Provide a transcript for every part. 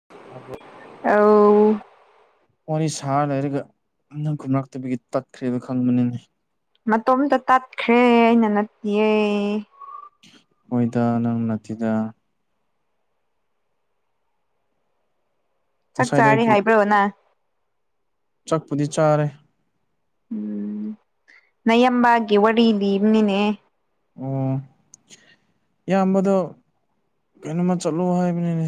[inaudible] ꯑꯥꯎ ꯋꯥꯔꯤ ꯁꯥꯔ ꯂꯩꯔꯒ ꯅꯪ ꯈꯨꯝꯔꯛꯇꯕꯒꯤ ꯇꯠꯈ꯭ꯔꯦꯗꯣ ꯈꯪꯕꯅꯤꯅꯦ ꯃꯇꯣꯝꯇ ꯇꯥꯠꯈ꯭ꯔꯦ ꯑꯩꯅ ꯅꯠꯇꯤꯌꯦ ꯍꯣꯏꯗ ꯅꯪ ꯅꯠꯇꯤꯗ ꯆꯥꯛ ꯉꯁꯥꯏꯗꯣ ꯆꯥꯔꯦ ꯍꯥꯏꯕ꯭ꯔꯣ ꯅꯪ? ꯆꯛꯄꯨꯗꯤ ꯆꯥꯔꯦ꯫ ꯎꯝ ꯅꯌꯥꯝꯕꯥꯒꯤ ꯋꯥꯔꯤ ꯂꯤꯕꯅꯤꯅꯦ ꯑꯣ ꯏꯌꯥꯝꯕꯗꯣ ꯀꯩꯅꯣꯃ ꯆꯠꯂꯨ ꯍꯥꯏꯕꯅꯤꯅꯦ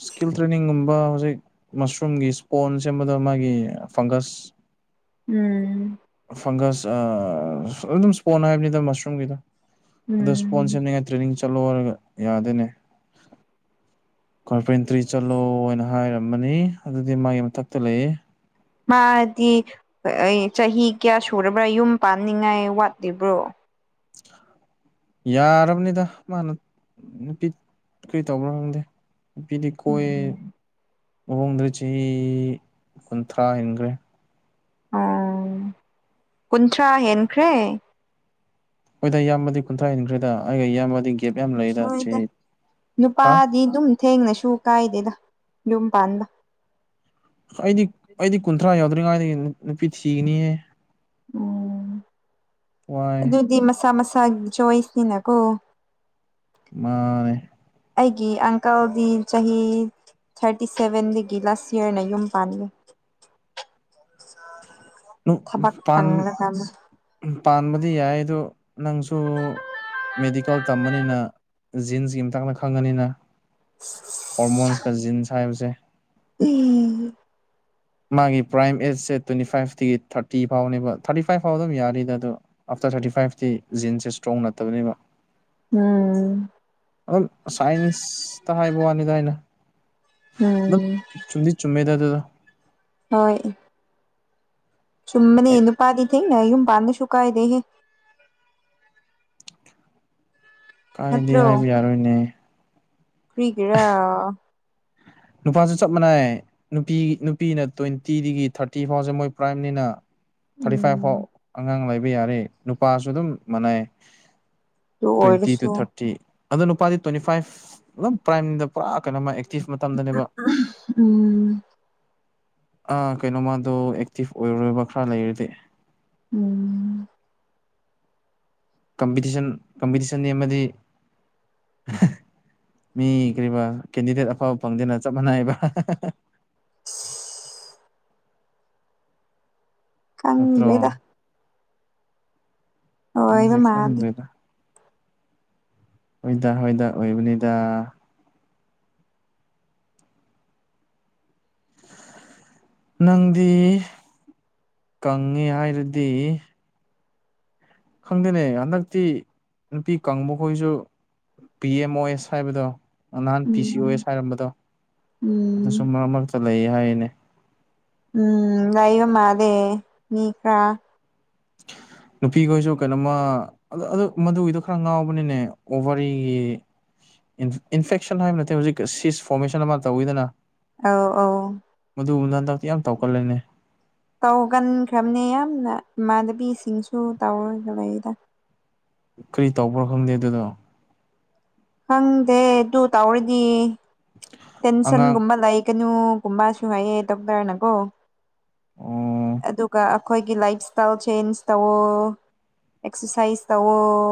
ꯏꯁꯀꯤꯜ ꯇ꯭ꯔꯦꯅꯤꯡꯒꯨꯝꯕ ꯍꯧꯖꯤꯛ ꯃꯁꯔꯨꯝꯒꯤ ꯏꯁꯄꯣꯟ ꯁꯦꯝꯕꯗ ꯃꯥꯒꯤ ꯐꯪꯒꯁ [inaudible] ꯎꯝ ꯐꯪꯒꯁ ꯑ ꯑꯗꯨꯝ ꯏꯁꯄꯣꯟ ꯍꯥꯏꯕꯅꯤꯗ ꯃꯁꯔꯨꯝꯒꯤꯗꯣ ꯑꯗꯣ ꯐꯣꯟ ꯎꯝ ꯁꯦꯝꯅꯤꯡꯉꯥꯏ ꯇ꯭ꯔꯦꯅꯤꯡ ꯆꯠꯂꯣ ꯍꯥꯏꯔꯒ ꯌꯥꯗꯦꯅꯦ ꯀꯔꯄꯦꯟꯇ꯭ꯔꯤ ꯆꯠꯂꯣ ꯍꯥꯏꯅ ꯍꯥꯏꯔꯃꯅꯤ ꯑꯗꯨꯗꯤ ꯃꯥꯒꯤ ꯃꯊꯛꯇ ꯂꯩꯌꯦ ꯃꯥꯗꯤ ꯑꯩ ꯆꯍꯤ ꯀꯌꯥ ꯁꯨꯔꯕ꯭ꯔꯥ ꯌꯨꯝ ꯄꯥꯟꯅꯤꯡꯉꯥꯏ ꯋꯥꯠꯂꯤꯕ꯭ꯔꯣ? [inaudible] ꯌꯥꯔꯕꯅꯤꯗ ꯃꯥꯅ ꯅꯨꯄꯤ ꯀꯔꯤ ꯇꯧꯕ꯭ꯔꯥ ꯈꯪꯗꯦ꯫ ꯅꯨꯄꯤꯗꯤ ꯀꯣꯏ ꯃꯑꯣꯡꯗ ꯆꯍꯤ ꯀꯨꯟꯊ꯭ꯔꯥ ꯍꯦꯟꯒ꯭ꯔꯦ꯫ ꯑꯣ ꯀꯨꯟꯊ꯭ꯔꯥ ꯍꯦꯟꯈ꯭ꯔꯦ ꯍꯣꯏꯗ ꯌꯥꯝꯕꯗꯤ ꯀꯨꯟꯊ꯭ꯔꯥ ꯍꯦꯟꯈ꯭ꯔꯦꯗ ꯑꯩꯒ ꯌꯥꯝꯕꯗꯒꯤ ꯍꯣꯏꯗ ꯍꯥ ꯅꯨꯄꯥꯗꯤ ꯑꯗꯨꯝ ꯊꯦꯡꯅꯁꯨ ꯀꯥꯏꯗꯦꯗ ꯌꯨꯝ ꯄꯥꯟꯕ ꯑꯩꯗꯤ ꯑꯩꯗꯤ ꯀꯨꯟꯊ꯭ꯔꯥ ꯌꯥꯎꯗ꯭ꯔꯤꯉꯥꯏꯗꯒꯤ ꯅꯨꯄꯤ ꯊꯤꯒꯅꯤꯍꯦ꯫ ꯑꯣ ꯋꯥꯏ ꯑꯗꯨꯗꯤ ꯃꯁꯥ ꯃꯁꯥꯒꯤ ꯆꯣꯏꯁꯅꯤꯅꯀꯣ ꯃꯥꯅꯦ ꯑꯩꯒꯤ ꯑꯪꯀꯜꯗꯤ ꯆꯍꯤ ꯊꯥꯔꯇꯤ ꯁꯕꯦꯟꯗꯒꯤ ꯂꯥꯁ ꯌꯔꯅ ꯌꯨꯝ ꯄꯥꯟꯂꯦ꯫ ꯅꯨꯛ ꯊꯕꯛ ꯄꯥꯟ ꯐꯪꯂꯀꯥꯟꯗ ꯄꯥꯟꯕꯗꯤ ꯌꯥꯏ ꯑꯗꯣ ꯅꯪꯁꯨ ꯃꯦꯗꯤꯀꯦꯜ ꯇꯝꯕꯅꯤꯅ ꯖꯤꯟꯁꯒꯤ ꯃꯇꯥꯡꯗ ꯈꯪꯉꯅꯤꯅ ꯍꯣꯔꯃꯣꯟꯁꯀ ꯖꯤꯟꯁ ꯍꯥꯏꯕꯁꯦ ꯎꯝ ꯃꯥꯒꯤ ꯄ꯭ꯔꯥꯏꯝ ꯑꯦꯖꯁꯦ ꯇ꯭ꯋꯦꯟꯇꯤ ꯐꯥꯏꯚꯇꯒꯤ ꯊꯥꯔꯇꯤ ꯐꯥꯎꯅꯦꯕ ꯊꯥꯔꯇꯤ ꯐꯥꯏꯚ ꯐꯥꯎ ꯑꯗꯨꯝ ꯌꯥꯔꯤꯗ ꯑꯗꯣ ꯑꯥꯐꯇꯔ ꯊꯥꯔꯇꯤ ꯐꯥꯏꯚꯇꯤ ꯖꯤꯟꯁꯦ ꯏꯁꯇ꯭ꯔꯣꯡ ꯅꯠꯇꯕꯅꯤꯕ ꯎꯝ ꯑꯗꯨ ꯁꯥꯏꯟꯁꯇ ꯍꯥꯏꯕ ꯋꯥꯅꯤꯗ ꯑꯩꯅ ꯑꯗꯨꯝ ꯎꯝ ꯆꯨꯝꯗꯤ ꯆꯨꯝꯃꯦꯗ ꯑꯗꯨꯗꯣ ꯍꯣꯏ ꯆꯨꯝꯕꯅꯦ ꯑꯩ ꯅꯨꯄꯥꯗꯤ ꯊꯦꯡꯅ ꯌꯨꯝ ꯄꯥꯜꯂꯁꯨ ꯀꯥꯏꯗꯦꯍꯦ ꯀꯥꯏꯗꯤ ꯍꯥꯏꯕ ꯌꯥꯔꯣꯏꯅꯦ ꯀꯔꯤꯒꯤꯔ ꯅꯨꯄꯥꯁꯨ ꯆꯞ ꯃꯥꯟꯅꯩ ꯅꯨꯄꯤꯒꯤ ꯅꯨꯄꯤꯅ ꯇ꯭ꯋꯦꯟꯇꯤꯗꯒꯤ ꯊꯥꯔꯇꯤ ꯐꯥꯎꯁꯦ ꯃꯣꯏ ꯄ꯭ꯔꯥꯏꯝꯅꯤꯅ ꯊꯥꯔꯇꯤ ꯐꯥꯏꯚ ꯎꯝ ꯐꯥꯎ ꯑꯉꯥꯡ ꯂꯩꯕ ꯌꯥꯔꯦ ꯅꯨꯄꯥꯁꯨ ꯑꯗꯨꯝ ꯃꯥꯟꯅꯩ ꯑꯗꯨ ꯇ꯭ꯋꯦꯟꯇꯤ ꯇꯨ ꯑꯣꯏꯔꯁꯨ ꯊꯥꯔꯇꯤ ꯑꯗꯣ ꯅꯨꯄꯥꯗꯤ ꯇ꯭ꯋꯦꯟꯇꯤ ꯐꯥꯏꯚ ꯑꯗꯨꯝ ꯄ꯭ꯔꯥꯏꯝꯗ ꯄꯨꯔꯥ ꯀꯩꯅꯣꯃ ꯑꯦꯛꯇꯤ ꯇꯝꯗꯅꯦꯕ ꯎꯝ ꯑ ꯀꯩꯅꯣ ꯃꯗꯣ ꯑꯦꯛꯇꯤꯞ ꯑꯣꯏꯔꯣꯏꯕ ꯈꯔ ꯂꯩꯔꯗꯤ ꯎꯝ ꯀꯝꯄꯤꯇꯤꯁꯟ ꯀꯝꯄꯤꯇꯤꯁꯟ ꯅꯦꯝꯃꯗꯤ ꯃꯤ ꯀꯔꯤꯕ ꯀꯦꯟꯗꯤꯗꯦꯠ ꯑꯐꯕ ꯐꯪꯗꯦꯅ ꯆꯞ ꯃꯥꯟꯅꯩꯕ [unintelligible] ꯈꯪꯗꯦꯗ ꯅꯠꯇ꯭ꯔꯣ ꯅꯪ ꯁꯦ ꯑꯣꯏꯕ ꯃꯥꯜꯂꯤ ꯈꯪꯗꯔꯦꯗ ꯍꯣꯏꯗ ꯍꯣꯏꯗ ꯑꯣꯏꯕꯅꯤꯗ ꯅꯪꯗꯤ ꯀꯪꯉꯦ ꯍꯥꯏꯔꯗꯤ ꯈꯪꯗꯦꯅꯦ ꯍꯟꯗꯛꯇꯤ ꯅꯨꯄꯤ ꯀꯪꯕ ꯈꯣꯏꯁꯨ ꯄꯤ ꯑꯦꯝ ꯑꯣ ꯑꯦꯁ ꯍꯥꯏꯕꯗꯣ ꯅꯍꯥꯟ ꯄꯤ ꯁꯤ ꯑꯣ ꯎꯝ ꯑꯦꯁ ꯍꯥꯏꯔꯝꯕꯗꯣ ꯎꯝ ꯑꯗꯨꯁꯨ ꯃꯔꯛ ꯃꯔꯛꯇ ꯂꯩꯌꯦ ꯍꯥꯏꯔꯤꯅꯦ ꯎꯝ ꯂꯩꯕ ꯃꯥꯜꯂꯦ ꯃꯤ ꯀꯥ ꯅꯨꯄꯤꯈꯣꯏꯁꯨ ꯀꯩꯅꯣꯝꯃ ꯑ ꯑꯗꯨ ꯃꯗꯨꯒꯤꯗꯣ ꯈꯔ ꯉꯥꯎꯕꯅꯤꯅꯦ ꯑꯣꯚꯔꯤꯒꯤ ꯏꯟ ꯏꯟꯐꯦꯛꯁꯟ ꯍꯥꯏꯕ ꯅꯠꯇꯦ ꯍꯧꯖꯤꯛ ꯁꯤꯁ ꯐꯣꯔꯃꯦꯁꯟ ꯑꯃ ꯇꯧꯋꯤꯗꯅ ꯑꯧ ꯑꯧ ꯃꯗꯨꯕꯨꯗ ꯍꯟꯗꯛꯇꯤ ꯌꯥꯝ ꯇꯥꯎꯈꯠꯂꯦꯅꯦ ꯇꯧꯒꯟꯈ꯭ꯔꯕꯅꯦ ꯌꯥꯝꯅ ꯏꯃꯥꯟꯅꯕꯤꯁꯤꯡꯁꯨ ꯇꯧꯔ [unintelligible] ꯀꯔꯤ ꯇꯧꯕ꯭ꯔꯣ ꯈꯪꯗꯦ ꯑꯗꯨꯗꯣ ꯈꯪꯗꯦ ꯑꯗꯨ ꯇꯧꯔꯗꯤ ꯑꯉꯥꯡ ꯇꯦꯟꯁꯟꯒꯨꯝꯕ ꯂꯩ ꯒꯅꯨ ꯒꯨꯝꯕꯁꯨ ꯍꯥꯏꯌꯦ ꯗꯣꯛꯇꯔꯅꯀꯣ ꯑꯣ ꯑꯗꯨꯒ ꯑꯩꯈꯣꯏꯒꯤ ꯂꯥꯏꯞ ꯏꯁꯇꯥꯏꯜ ꯆꯦꯟꯖ ꯇꯧꯑꯣ ꯑꯦꯛꯁꯔꯁꯥꯏꯁ ꯇꯧꯑꯣ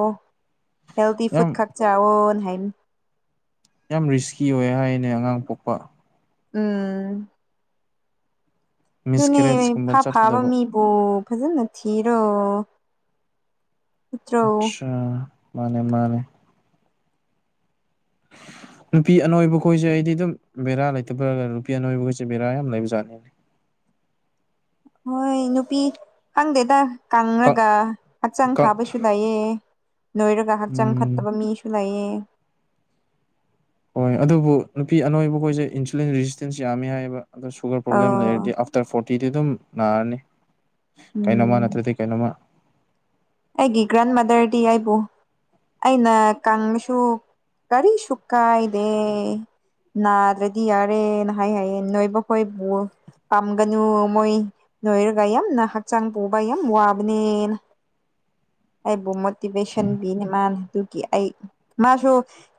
ꯍꯦꯜꯗꯤ ꯐꯨꯗ ꯌꯥꯝ ꯈꯥꯛ ꯆꯥꯑꯣꯅ ꯍꯥꯏ ꯌꯥꯝ ꯔꯤꯁꯀꯤ ꯑꯣꯏ ꯍꯥꯏꯅꯦ ꯑꯉꯥꯡ ꯄꯣꯛꯄ ꯎꯝ ꯑꯗꯨꯅꯦ ꯃꯤꯁꯀꯦꯔꯦꯖꯀꯨꯝꯕ ꯐꯥ ꯐꯥꯕ ꯆꯠꯀꯗꯕ ꯃꯤꯕꯨ ꯐꯖꯅ ꯊꯤꯔꯣ ꯅꯠꯇ꯭ꯔꯣ ꯑꯆꯥ ꯃꯥꯅꯦ ꯃꯥꯅꯦ ꯅꯨꯄꯤ ꯑꯅꯣꯏꯕ ꯈꯣꯏꯖꯩ ꯑꯩꯗꯤ ꯑꯗꯨꯝ ꯕꯦꯔꯥ ꯂꯩꯇꯕ꯭ꯔꯥꯒ ꯅꯨꯄꯤ ꯑꯅꯣꯏꯕꯒꯁꯦ ꯕꯦꯔ ꯌꯥꯝ ꯂꯩꯕꯖꯥꯠꯅꯦ ꯍꯣꯏ ꯅꯨꯄꯤ ꯈꯪꯗꯦꯗ ꯀꯛ ꯀꯪꯉꯒ ꯍꯛꯆꯥꯡ ꯀꯛ ꯐꯕꯁꯨ ꯂꯩꯌꯦ ꯅꯣꯏꯔꯒ ꯍꯛꯆꯥꯡ ꯎꯝ ꯐꯠꯇꯕ ꯃꯤꯁꯨ ꯂꯩꯌꯦ ꯍꯣꯏ ꯑꯗꯨꯕꯨ ꯅꯨꯄꯤ ꯑꯅꯣꯏꯕ ꯑꯩꯈꯣꯏꯁꯦ ꯏꯟꯁꯨꯂꯤꯟ ꯖꯤꯁꯇꯦꯟꯁ ꯌꯥꯝꯃꯦ ꯍꯥꯏꯌꯦꯕ ꯑꯗꯣ ꯁꯨꯒꯔ ꯑ ꯄ꯭ꯔꯣꯕ꯭ꯂꯦꯝ ꯂꯩꯔꯗꯤ ꯑ ꯇꯔ ꯐꯣꯔꯇꯤꯗꯤ ꯑꯗꯨꯝ ꯅꯥꯔꯅꯤ ꯀꯩꯅꯣꯝꯃ ꯅꯠꯇ꯭ꯔꯗꯤ ꯀꯩꯅꯣꯝꯃ ꯑꯩꯒꯤ ꯒꯥꯔꯥꯟ ꯃꯗꯔꯗꯤ ꯑꯩꯕꯨ ꯑꯩꯅ ꯀꯪꯉꯁꯨ ꯀꯔꯤꯁꯨ ꯀꯥꯏꯗꯦ ꯅꯥꯗ꯭ꯔꯗꯤ ꯌꯥꯔꯦꯅ ꯍꯥꯏ ꯍꯥꯏꯌꯦ ꯅꯣꯏꯕ ꯈꯣꯏꯕꯨ ꯄꯥꯝꯒꯅꯨ ꯃꯣꯏ ꯅꯣꯏꯔꯒ ꯌꯥꯝꯅ ꯍꯛꯆꯥꯡ ꯄꯨꯕ ꯌꯥꯝ ꯋꯥꯕꯅꯦ ꯑꯩꯕꯨ ꯃꯣꯇꯤꯚꯦꯁꯟ ꯄꯤꯅꯦ ꯃꯥꯅ ꯑꯗꯨꯒꯤ ꯑꯩ ꯃꯥꯁꯨ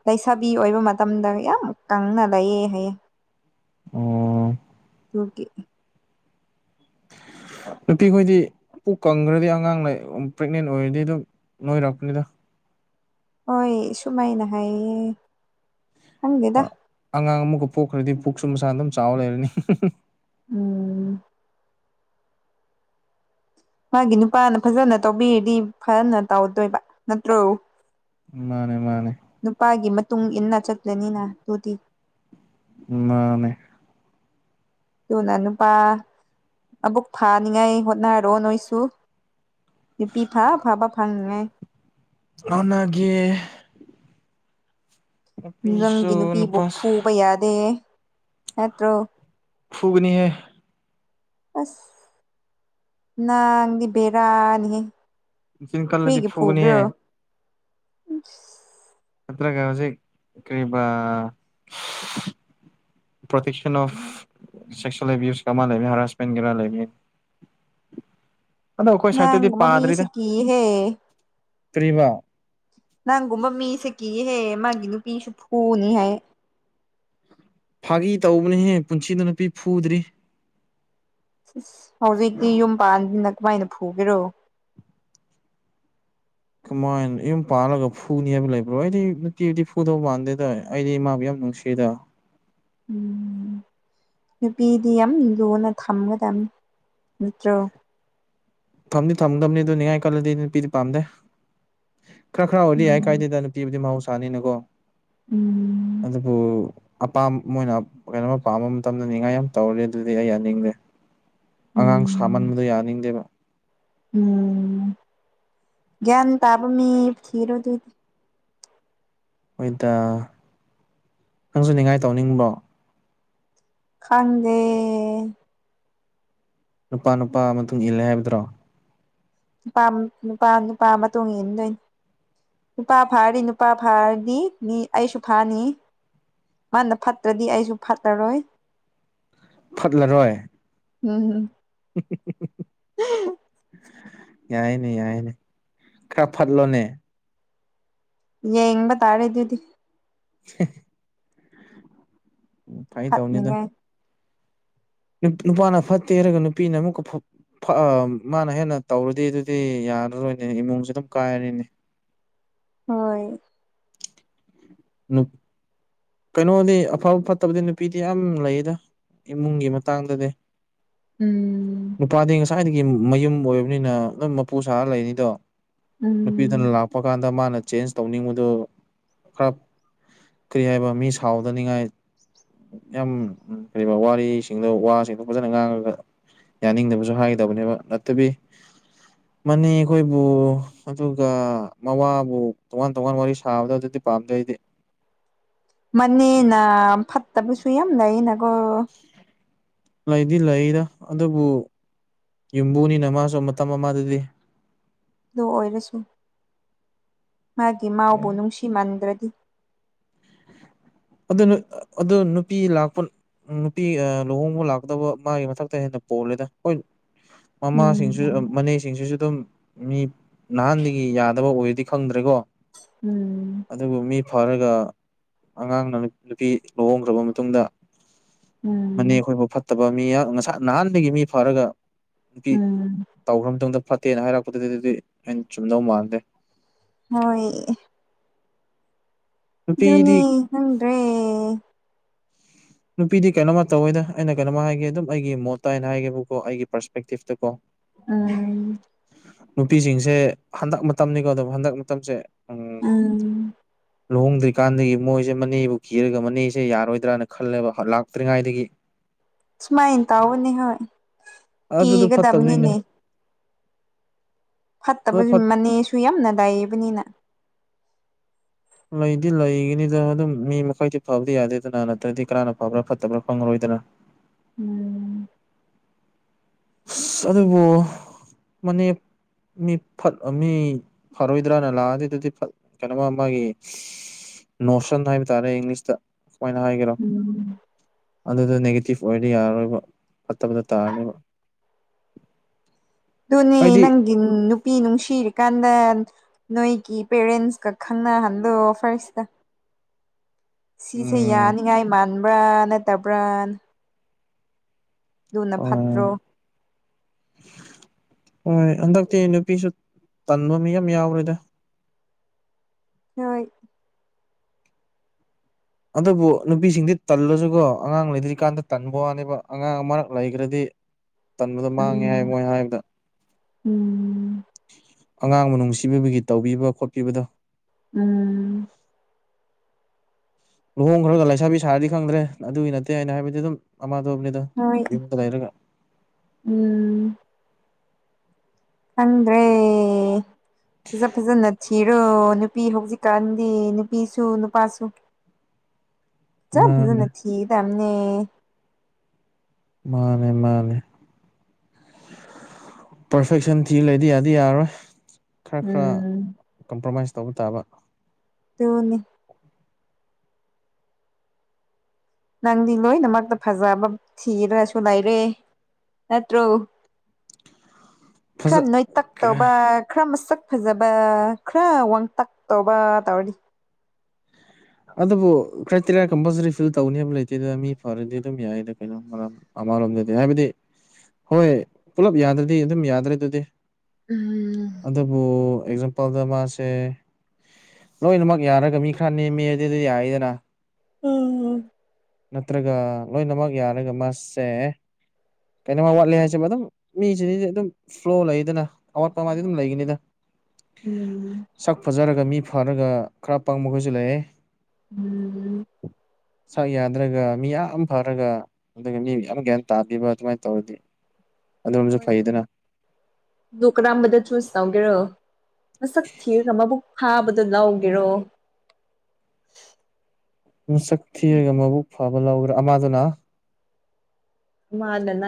ꯂꯩꯁꯥꯕꯤ ꯑꯣꯏꯕ ꯃꯇꯝꯗ ꯌꯥꯝ ꯀꯪꯅ ꯂꯩꯌꯦ ꯍꯥꯏꯌꯦ ꯫ ꯑꯣ ꯔꯨꯀꯤ ꯅꯨꯄꯤꯈꯣꯏꯗꯤ ꯄꯨꯛ ꯀꯪꯈ꯭ꯔꯗꯤ ꯑꯉꯥꯡꯅ ꯄ꯭ꯔꯦꯒꯅꯦꯟ ꯑꯣꯏꯔꯗꯤ ꯑꯗꯨꯝ ꯅꯣꯏꯔꯛꯄꯅꯤꯗ ꯍꯣꯏ ꯁꯨꯃꯥꯏꯅ ꯍꯥꯏꯌꯦ ꯈꯪꯗꯦꯗ ꯑꯉꯥꯡ ꯑꯃꯨꯛꯀ ꯄꯣꯛꯈ꯭ꯔꯗꯤ ꯄꯨꯛꯁꯨ ꯃꯁꯥꯅ ꯑꯗꯨꯝ ꯆꯥꯎ ꯂꯩꯔꯅꯤ ꯎꯝ ꯃꯥꯒꯤ ꯅꯨꯄꯥꯅ ꯐꯖꯅ ꯇꯧꯕꯤꯔꯗꯤ ꯐꯖꯅ ꯇꯧꯗꯣꯏꯕ ꯅꯠꯇ꯭ꯔꯣ ꯃꯥꯅꯦ ꯃꯥꯅꯦ ꯅꯨꯄꯥꯒꯤ ꯃꯇꯨꯡ ꯏꯟꯅ ꯆꯠꯂꯅꯤꯅ ꯑꯗꯨꯗꯤ ꯃꯥꯅꯦ ꯑꯗꯨꯅ ꯅꯨꯄꯥ ꯃꯕꯨꯛ ꯐꯥꯅꯤꯉꯥꯏ ꯍꯣꯠꯅꯔꯣ ꯅꯣꯏꯁꯨ ꯅꯨꯄꯤ ꯐꯥ ꯐꯥꯕ ꯐꯥꯡꯅꯤꯉꯥꯏ ꯍꯣꯠꯅꯒꯦ ꯅꯪꯒꯤ ꯅꯨꯄꯤꯁꯨ ꯅꯨꯄꯤꯕꯨ ꯅꯨꯄꯥꯁꯨ ꯐꯨꯕ ꯌꯥꯗꯦ ꯅꯠꯇ꯭ꯔꯣ ꯐꯨꯒꯅꯤꯍꯦ ꯑꯁ ꯅꯪꯗꯤ ꯕꯦꯔꯥꯅꯤꯍꯦ ꯃꯆꯤꯟ ꯀꯜꯂꯗꯤ ꯀ꯭ꯔꯤꯒꯤ ꯐꯨꯒꯅꯤꯍꯦ ꯐꯨꯒꯦꯔꯣ ꯅꯠꯇ꯭ꯔꯒ ꯍꯧꯖꯤꯛ ꯀꯔꯤꯕ ꯄ꯭ꯔꯣꯇꯦꯛꯁꯟ ꯑꯣꯐ ꯁꯦꯛꯁ꯭ꯋꯦꯜ ꯑꯦꯚ꯭ꯌꯨꯁ ꯀ ꯃꯥ ꯂꯩꯕꯅꯦ ꯍꯔꯥꯁꯃꯦꯟꯒꯤꯔꯥ ꯂꯩꯕꯅꯦ ꯫ ꯑꯗꯣ ꯑꯩꯈꯣꯏ ꯁꯥꯏꯇꯗꯤ ꯅꯪꯒꯨꯝꯕ ꯃꯤꯁꯦ ꯄꯥꯗ꯭ꯔꯤꯗ ꯀꯤꯍꯦ ꯀ꯭ꯔꯤꯕ ꯅꯪꯒꯨꯝꯕ ꯃꯤꯁꯦ ꯀꯤꯍꯦ ꯃꯥꯒꯤ ꯅꯨꯄꯤꯁꯨ ꯐꯨꯅꯤ ꯍꯥꯏ ꯐꯥꯒꯤ ꯇꯧꯕꯅꯤꯍꯦ ꯄꯨꯟꯁꯤꯗ ꯅꯨꯄꯤ ꯐꯨꯗ꯭ꯔꯤ ꯑꯁ ꯍꯧꯖꯤꯛꯇꯤ ꯌꯨꯝ ꯄꯥꯟꯗꯅ ꯀꯃꯥꯏꯅ ꯐꯨꯒꯦꯔꯣ ꯫ ꯀꯃꯥꯏꯅ ꯌꯨꯝ ꯄꯥꯜꯂꯒ ꯐꯨꯅꯤ ꯍꯥꯏꯕ ꯂꯩꯕ꯭ꯔꯣ ꯑꯩꯗꯤ ꯅꯨꯄꯤꯕꯨꯗꯤ ꯐꯨꯗꯧ ꯃꯥꯟꯗꯦꯗ ꯑꯩꯗꯤ ꯃꯥꯕꯨ ꯌꯥꯝ ꯅꯨꯡ ꯁꯤꯗ ꯅꯨꯄꯤꯗꯤ ꯌꯥꯝ ꯂꯨꯅ ꯊꯝꯒꯗꯕꯅꯤ ꯅꯠꯇ꯭ꯔꯣ ꯊꯝꯗꯤ ꯊꯝꯒꯗꯕꯅꯤ ꯑꯗꯨ ꯅꯤꯉꯥꯏ ꯀꯜꯂꯗꯤ ꯅꯨꯄꯤꯗꯤ ꯄꯥꯝꯗꯦ ꯈꯔ ꯈꯔ ꯑꯣꯏꯔꯗꯤ ꯌꯥꯏ ꯎꯝ ꯀꯥꯏꯗꯦꯗ ꯅꯨ ꯅꯨꯄꯤꯗꯤ ꯃꯍꯧꯁꯥꯅꯤꯅꯀꯣ ꯎꯝ ꯑꯗꯨꯕꯨ ꯑꯄꯥꯝ ꯃꯣꯏꯅ ꯀꯩꯅꯣꯃ ꯄꯥꯝꯕ ꯃꯇꯝꯗ ꯅꯤꯡꯉꯥꯏ ꯌꯥꯝ ꯇꯧꯔꯗꯤ ꯑꯗꯨꯗꯤ ꯑꯩ ꯌꯥꯅꯤꯡꯗꯦ ꯫ ꯑꯉꯥꯡ ꯎꯝ ꯁꯥꯃꯟꯕꯗꯣ ꯌꯥꯅꯤꯡꯗꯦꯕ ꯎꯝ ꯒ꯭ꯌꯥꯟ ꯇꯥꯕ ꯃꯤ ꯊꯤꯔꯣ ꯑꯗꯨꯗꯤ ꯍꯣꯏꯗ ꯅꯪꯁꯨ ꯅꯤꯡꯉꯥꯏ ꯇꯧꯅꯤꯡꯕꯣ ꯈꯪꯗꯦ ꯅꯨꯄꯥ ꯅꯨꯄꯥ ꯃꯇꯨꯡ ꯏꯜꯂꯦ ꯍꯥꯏꯕꯗꯨꯔꯣ ꯅꯨꯄꯥ ꯅꯨꯄꯥ ꯅꯨꯄꯥ ꯃꯇꯨꯡ ꯏꯟꯗꯣꯏꯅꯤ ꯅꯨꯄꯥ ꯐꯥꯔꯗꯤ ꯅꯨꯄꯥ ꯐꯥꯔꯗꯤ ꯃꯤ ꯑꯩꯁꯨ ꯐꯥꯅꯤ ꯃꯥꯅ ꯐꯠꯇ꯭ꯔꯗꯤ ꯑꯩꯁꯨ ꯐꯠꯂꯔꯣꯏ ꯐꯠꯂꯔꯣꯏ ꯎꯝ [unintelligible] ꯌꯥꯏꯅꯦ ꯌꯥꯏꯅꯦ ꯈꯔ ꯐꯠꯂꯣꯅꯦ ꯫ ꯌꯦꯡꯕ ꯇꯥꯔꯦ ꯑꯗꯨꯗꯤ ꯍꯦ ꯐꯩ ꯇꯧꯅꯤꯗ ꯐꯠꯅꯤꯡꯉꯥꯏ ꯅꯨꯄꯥꯅ ꯐꯠꯇꯦ ꯍꯥꯏꯔꯒ ꯅꯨꯄꯤꯅ ꯑꯃꯨꯛꯀ ꯐ ꯐꯑ ꯃꯥꯅ ꯍꯦꯟꯅ ꯇꯧꯔꯗꯤ ꯑꯗꯨꯗꯤ ꯌꯥꯔꯔꯣꯏꯅꯦ ꯏꯃꯨꯡꯁꯨ ꯑꯗꯨꯝ ꯀꯥꯏꯔꯔꯦꯅꯦ ꯍꯣꯏ ꯅꯨ ꯀꯩꯅꯣꯅꯦ ꯑꯐꯕ ꯐꯠꯇꯕꯗꯤ ꯅꯨꯄꯤꯗꯤ ꯌꯥꯝ ꯂꯩꯌꯦꯗ ꯏꯃꯨꯡꯒꯤ ꯃꯇꯥꯡꯗꯗꯤ ꯎꯝ ꯅꯨꯄꯥꯗꯤ ꯉꯁꯥꯏꯗꯒꯤ ꯃꯌꯨꯝ ꯑꯣꯏꯕꯅꯤꯅ ꯑꯗꯨꯝ ꯃꯄꯨ ꯁꯥꯔ ꯂꯩꯅꯤꯗꯣ ꯅꯨꯄꯤꯗꯨꯅ ꯎꯝ ꯂꯥꯛꯄ ꯄ ꯀꯥꯟꯗ ꯃꯥꯅ ꯆꯦꯟꯖ ꯇꯧꯅꯤꯡꯕꯗꯨ ꯈꯔ ꯀꯔꯤ ꯍꯥꯏꯕ ꯃꯤ ꯁꯥꯎꯗꯅꯤꯡꯉꯥꯏ ꯌꯥꯝ ꯀꯔꯤꯕ ꯋꯥꯔꯤꯁꯤꯡꯗꯣ ꯋꯥꯁꯤꯡꯗꯣ ꯐꯖꯅ ꯉꯥꯡꯉꯒ ꯌꯥꯅꯤꯡꯗꯕꯁꯨ ꯍꯥꯏꯒꯗꯕꯅꯦꯕ ꯅꯠꯇꯕꯤ ꯃꯅꯦ ꯈꯣꯏꯕꯨ ꯑꯗꯨꯒ ꯃꯋꯥꯕꯨ ꯇꯣꯉꯥꯟ ꯇꯣꯉꯥꯟ ꯋꯥꯔꯤ ꯁꯥꯕꯗꯣ ꯑꯗꯨꯗꯤ ꯄꯥꯝꯗꯦ ꯑꯩꯗꯤ ꯃꯅꯦꯝꯅ ꯐꯠꯇꯕꯁꯨ ꯌꯥꯝ ꯂꯩꯌꯦꯅꯀꯣ ꯂꯩꯗꯤ ꯂꯩꯗ ꯑꯗꯨꯕꯨ ꯌꯨꯝꯕꯨꯅꯤꯅ ꯃꯥꯁꯨ ꯃꯇꯝ ꯑꯃꯗꯗꯤ ꯑꯗꯨ ꯑꯣꯏꯔꯁꯨ ꯃꯥꯒꯤ ꯃꯥꯎꯕꯨ ꯅꯨꯡꯁꯤꯃꯟꯗ꯭ꯔꯗꯤ ꯑꯗꯨꯅ ꯑꯗꯨ ꯅꯨꯄꯤ ꯂꯥꯛꯄ ꯎꯝ ꯅꯨꯄꯤ ꯑ ꯂꯨꯍꯣꯡꯕ ꯂꯥꯛꯀꯇꯕ ꯃꯥꯒꯤ ꯃꯊꯛꯇ ꯍꯦꯟꯅ ꯄꯣꯜꯂꯦꯗ ꯍꯣꯏ ꯃꯃꯥꯁꯤꯡꯁꯨ ꯎꯝ ꯃꯅꯦꯁꯤꯡꯁꯤꯁꯨ ꯑꯗꯨꯝ ꯃꯤ ꯅꯍꯥꯟꯗꯒꯤ ꯌꯥꯗꯕ ꯑꯣꯏꯔꯗꯤ ꯈꯪꯗ꯭ꯔꯦꯀꯣ ꯎꯝ ꯑꯗꯨꯕꯨ ꯃꯤ ꯐꯔꯒ ꯑꯉꯥꯡꯅ ꯅꯨꯄꯤ ꯂꯨꯍꯣꯡꯈ꯭ꯔꯕ ꯃꯇꯨꯡꯗ ꯃꯅꯦ ꯎꯝ ꯈꯣꯏꯕꯨ ꯐꯠ ꯇꯕ ꯃꯤ ꯅꯍꯥꯟꯗꯒꯤ ꯃꯤ ꯐꯔꯒ ꯅꯨꯄꯤ ꯎꯝ ꯇꯧꯈ꯭ꯔ ꯃꯇꯨꯡꯗ ꯐꯠꯇꯦꯅ ꯍꯥꯏꯔꯛꯄꯗꯨꯗꯗꯤ ꯑꯗꯨꯗꯤ ꯑꯩꯅ ꯆꯨꯝꯗꯧ ꯃꯥꯟꯗꯦ ꯍꯣꯏ ꯅꯨꯄꯤꯗꯤ ꯑꯗꯨꯅꯤ ꯈꯪꯗ꯭ꯔꯦ ꯅꯨꯄꯤꯗꯤ ꯀꯩꯅꯣꯃ ꯇꯧꯋꯦꯗ ꯑꯩꯅ ꯀꯩꯅꯣꯃ ꯍꯥꯏꯒꯦ ꯑꯗꯨꯝ ꯑꯩꯒꯤ ꯃꯣꯠꯇ ꯍꯥꯏꯅ ꯍꯥꯏꯒꯦꯕꯨꯀꯣ ꯑꯩꯒꯤ ꯄꯔꯁꯄꯦꯛꯇꯤꯞꯇ ꯀꯣ ꯎꯝ ꯅꯨꯄꯤꯁꯤꯡꯁꯦ ꯍꯟꯗꯛ ꯃꯇꯝꯅꯤꯀꯣ ꯑꯗꯨ ꯍꯟꯗꯛ ꯃꯇꯝꯁꯦ ꯎꯝ ꯎꯝ ꯂꯨꯍꯣꯡꯗ꯭ꯔꯤꯀꯥꯟꯗꯒꯤ ꯃꯣꯏꯁꯦ ꯃꯅꯦꯕꯨ ꯀꯤꯔꯒ ꯃꯅꯦꯁꯦ ꯌꯥꯔꯣꯏꯗ꯭ꯔꯥꯅ ꯈꯜꯂꯦꯕ ꯂꯥꯛꯇ꯭ꯔꯤꯉꯩꯗꯒꯤ ꯁꯨꯃꯥꯏꯅ ꯇꯧꯕꯅꯦ ꯍꯣꯏ ꯑꯗꯨꯗꯣ ꯐꯠꯇꯕꯅꯤꯅꯦ ꯀꯤꯒꯗꯕꯅꯤꯅꯦ ꯑꯗꯣ ꯐꯠꯇꯕꯁꯨ ꯐꯠ ꯃꯅꯦ ꯁꯨ ꯌꯥꯝꯅ ꯂꯩꯕꯅꯤꯅ ꯂꯩꯗꯤ ꯂꯩꯒꯅꯤꯗ ꯑꯗꯨꯝ ꯃꯤ ꯃꯈꯩꯗꯤ ꯐꯕꯗꯤ ꯌꯥꯗꯦꯗꯅ ꯅꯠꯇ꯭ꯔꯗꯤ ꯀꯅꯥꯅ ꯐꯕ꯭ꯔꯥ ꯐꯠꯇꯕꯅꯣ ꯈꯪꯉꯔꯣꯏꯗꯅ ꯎꯝ ꯑꯁ ꯑꯗꯨꯕꯨ ꯃꯅꯦ ꯃꯤ ꯐꯠ ꯃꯤ ꯐꯔꯣꯏꯗ꯭ꯔꯅ ꯂꯥꯛꯑꯗꯤ ꯑꯗꯨꯗꯤ ꯀꯩꯅꯣꯃ ꯃꯥꯒꯤ ꯅꯣꯁꯟ ꯍꯥꯏꯕ ꯇꯥꯔꯦ ꯏꯪꯂꯤꯁꯇ ꯈꯣꯏꯅ ꯍꯥꯏꯒꯦꯔꯣ ꯎꯝ ꯑꯗꯨꯗ ꯅꯦꯒꯦꯇꯤꯞ ꯑꯣꯏꯗꯤ ꯌꯥꯔꯔꯣꯏꯕ ꯐꯠꯇꯕꯗ ꯇꯥꯔꯅꯤꯕ [inaudible] ꯗꯨꯟ ꯍꯥꯏꯗꯤ ꯗꯤꯡ ꯅꯨꯄꯤ ꯅꯨꯡꯁꯤꯔꯤꯀꯥꯟꯗ ꯅꯣꯏꯒꯤ ꯄꯦꯔꯦꯟꯁꯀ ꯈꯪꯅꯍꯟꯂꯣ ꯐꯔꯁꯇ꯫ ꯁꯤꯁꯦ ꯎꯝ ꯌꯥꯅꯤꯡꯉꯥꯏ ꯃꯥꯟꯕ꯭ꯔꯥ ꯅꯠꯇꯕ꯭ꯔꯥꯅ꯫ ꯐꯠꯇ꯭ꯔꯣ ꯍꯣꯏ꯫ ꯍꯣꯏ ꯍꯟꯗꯛꯇꯤ ꯅꯨꯄꯤꯁꯨ ꯇꯟꯕ ꯃꯤ ꯌꯥꯝ ꯌꯥꯎꯔꯦꯗ꯫ ꯅꯣꯏ ꯑꯗꯨꯕꯨ ꯅꯨꯄꯤꯁꯤꯡꯗꯤ ꯇꯜꯂꯁꯨꯀꯣ ꯑꯉꯥꯡ ꯂꯩꯗ꯭ꯔꯤꯀꯥꯟꯗ ꯇꯟꯕ ꯋꯥꯅꯦꯕ ꯑꯉꯥꯡ ꯃꯔꯛ ꯂꯩꯈ꯭ꯔꯗꯤ꯫ ꯇꯟꯕꯗ ꯃꯥꯡꯉꯦ ꯎꯝ ꯍꯥꯏ ꯃꯣꯏ ꯍꯥꯏꯕꯗ꯫ ꯎꯝ꯫ ꯑꯉꯥꯡꯕꯨ ꯅꯨꯡꯁꯤꯕꯤꯕꯒꯤ ꯇꯧꯕꯤꯕ ꯈꯣꯠꯄꯤꯕꯗꯣ꯫ ꯎꯝ꫰꫰ [inaudible] ꯂꯨꯍꯣꯡꯈ꯭ꯔꯒ ꯂꯩꯁꯥꯕꯤ ꯁꯥꯔꯗꯤ ꯈꯪꯗ꯭ꯔꯦ ꯑꯗꯨꯒꯤ ꯅꯠꯇꯦ ꯑꯩꯅ ꯍꯥꯏꯕꯗꯤ ꯑꯗꯨꯝ ꯑꯃꯥꯗꯨꯕꯅꯤꯗ ꯍꯣꯏ ꯌꯨꯝꯗ ꯂꯩꯔꯒ꯫ ꯎꯝ꯫ ꯈꯪꯗ꯭ꯔꯦ ꯐꯖ ꯐꯖ ꯅ [unintelligible] ꯊꯤꯔꯣ ꯅꯨꯄꯤ ꯍꯧꯖꯤꯛꯀꯥꯟꯗꯤ ꯅꯨꯄꯤꯁꯨ ꯅꯨꯄꯥꯁꯨ꯫ ꯐꯖ ꯃꯥꯅ ꯐꯖꯅ ꯊꯤꯒ ꯗꯝꯅꯦ꯫ ꯃꯥꯟꯅꯦ ꯃꯥꯟꯅꯦ꯫ ꯄꯔꯐꯦꯛꯁꯟ ꯊꯤꯕ ꯂꯩꯗꯤ ꯌꯥꯗꯤ ꯌꯥꯔꯣꯏ ꯈ꯭ꯔ ꯈ꯭ꯔ ꯎꯝ ꯀꯝꯄ꯭ꯔꯣꯃꯥꯏꯁ ꯇꯧꯕ ꯇꯥꯕ꯫ ꯇꯨꯅꯤ꯫ ꯅꯪꯗꯤ ꯂꯣꯏꯅꯃꯛꯇ ꯐꯖꯕ ꯊꯤꯔꯁꯨ ꯂꯩꯔꯦ ꯅꯠꯇ꯭ꯔꯣ꯫ [inaudible] ꯈ꯭ꯔ ꯅꯣꯏꯇꯛ ꯇꯧꯕ ꯈ꯭ꯔ ꯃꯁꯛ ꯐꯖꯕ ꯈ꯭ꯔ ꯋꯥꯡꯇꯛ ꯇꯧꯕ ꯇꯧꯔꯅꯤ꯫ ꯑꯗꯨꯕꯨ ꯀ꯭ꯔꯥꯏꯇꯦꯔꯤꯌꯥ ꯀꯝꯄꯜꯁꯔꯤ ꯐꯤꯜ ꯇꯧꯅꯦꯕ ꯂꯩꯇꯦꯗ ꯃꯤ ꯐꯔꯗꯤ ꯑꯗꯨꯝ ꯌꯥꯏꯗ ꯀꯩꯅꯣ ꯃꯔꯝ꯫ ꯑꯃꯥꯂꯣꯝꯗꯗꯤ ꯍꯥꯏꯕꯗꯤ ꯍꯣꯏ ꯄꯨꯂꯞ ꯌꯥꯗ꯭ꯔꯗꯤ ꯑꯗꯨꯝ ꯌꯥꯗ꯭ꯔꯦ ꯑꯗꯨꯗꯤ꯫ ꯎꯝ꯫ ꯑꯗꯨꯕꯨ ꯑꯦꯛꯖꯥꯝꯄꯜꯗ ꯃꯥꯁꯦ꯫ ꯂꯣꯏꯅꯃꯛ ꯌꯥꯔꯒ ꯃꯤ ꯈ꯭ꯔ ꯅꯦꯝꯃꯦ ꯗꯤ ꯑꯗꯨꯗꯤ ꯌꯥꯏꯗꯅ꯫ ꯎꯝ꯫ ꯅꯠꯇ꯭ꯔꯒ ꯂꯣꯏꯅꯃꯛ ꯌꯥꯔꯒ ꯃꯥꯁꯦ ꯀꯩꯅꯣꯃ ꯋꯥꯠꯂꯦ ꯍꯥꯏꯁꯦꯕ ꯑꯗꯨꯝ ꯃꯤꯁꯤꯗꯤꯗꯤ ꯑꯗꯨꯝ ꯐ꯭ꯂꯣ ꯂꯩꯗꯅ꯫ ꯑꯋꯥꯠ ꯄ ꯑꯃꯗꯤ ꯑꯗꯨꯝ ꯂꯩꯒꯅꯤꯗ꯫ ꯎꯝ [inaudible] ꯁꯛ ꯐꯖꯔꯒ ꯃꯤ ꯐꯔꯒ ꯈ꯭ꯔ ꯄꯪꯕꯈꯩꯁꯨ ꯂꯩꯑꯦ꯫ ꯎꯝ꯫ ꯁꯛ ꯌꯥꯗ꯭ꯔꯒ ꯃꯤꯌꯥꯝ ꯐꯔꯒ ꯑꯗꯨꯒ ꯃꯤ ꯑꯃꯨꯛ ꯒ꯭ꯌꯥꯟ ꯇꯥꯗꯦꯕ ꯑꯗꯨꯃꯥꯏꯅ ꯇꯧꯔꯗꯤ꯫ ꯑꯗꯨꯝꯁꯨ ꯍꯣꯏ ꯐꯩꯗꯅ ꯑꯗꯨ ꯀꯔꯝꯕꯗ ꯆꯨꯁ ꯇꯧꯒꯦꯔꯣ꯫ ꯃꯁꯛ ꯊꯤꯔꯒ ꯃꯕꯨꯛ ꯐꯥꯕꯗꯣ ꯂꯧꯒꯦꯔꯣ꯫ ꯃꯥꯁꯛ ꯊꯤꯔꯒ ꯃꯕꯨꯛ ꯐꯕ ꯂꯧꯔ ꯑꯃꯗꯨꯅ ꯑꯃꯅ ꯅꯪ